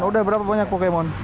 udah berapa banyak pokemon